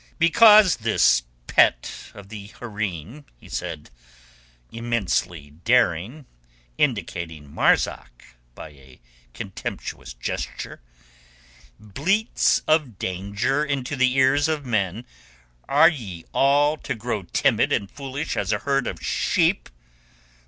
"Because this pet of the hareem," he said, immensely daring, indicating Marzak by a contemptuous gesture, "bleats of danger into the ears of men, are ye all to grow timid and foolish as a herd of sheep?